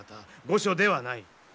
御所ではない。